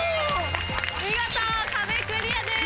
見事壁クリアです。